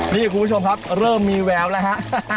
นี่คุณผู้ชมครับเริ่มมีแววแล้วฮะ